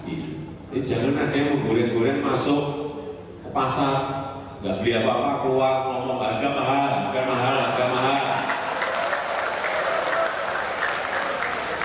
ini jangan nanya buburen buren masuk ke pasar gak beli apa apa keluar ngomong harga mahal harga mahal harga mahal